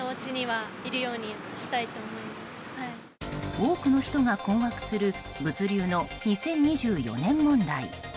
多くの人が困惑する物流の２０２４年問題。